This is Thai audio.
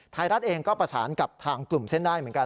ไทยรัฐเองก็ประสานกับทางกลุ่มเส้นได้เหมือนกัน